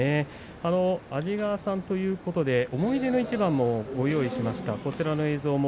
安治川さんということで思い出の一番もご用意しました。